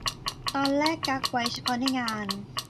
ตอนแรกกั๊กไว้เฉพาะในงาน